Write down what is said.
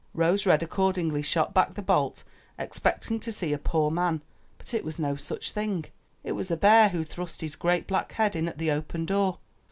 Rose red accordingly shot back the bolt expecting to see a poor man, but it was no such thing — it was a bear who thrust his great, black head in at the open door.